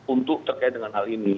untuk terkait dengan hal ini